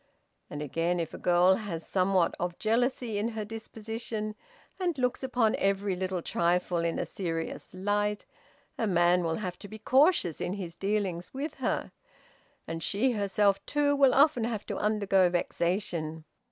And again, if a girl has somewhat of jealousy in her disposition, and looks upon every little trifle in a serious light, a man will have to be cautious in his dealings with her, and she herself, too, will often have to undergo vexation.